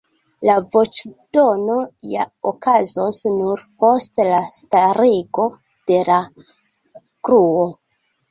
La voĉdono ja okazos nur post la starigo de la gruo.